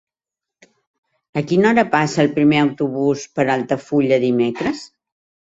A quina hora passa el primer autobús per Altafulla dimecres?